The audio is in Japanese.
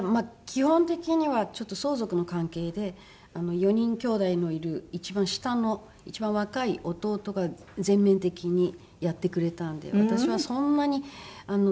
基本的にはちょっと相続の関係で４人きょうだいのいる一番下の一番若い弟が全面的にやってくれたんで私はそんなに大変じゃなかった。